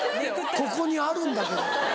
「ここにあるんだけど」。